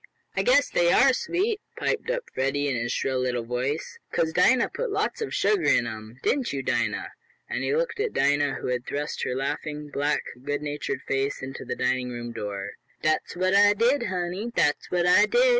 "I guess they are sweet!" piped up Freddie in his shrill little voice, "'cause Dinah put lots of sugar in 'em; didn't you, Dinah?" and he looked at Dinah, who had thrust her laughing, black, goodnatured face into the dining room door. "Dat's what I did, honey! Dat's what I did!"